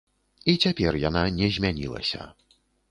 І цяпер яна не змянілася.